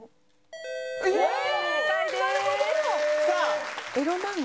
さあ！